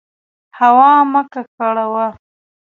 هوا مه ککړوه.